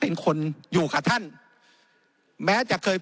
เป็นเพราะว่าคนกลุ่มหนึ่ง